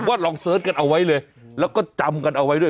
ว่าลองเสิร์ชกันเอาไว้เลยแล้วก็จำกันเอาไว้ด้วย